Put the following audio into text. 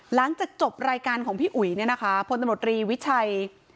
หลังจากจบรายการของพี่อุ๋ยเนี่ยนะคะพลตำรวจรีวิชัย